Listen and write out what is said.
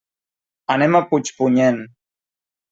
Anem a Puigpunyent.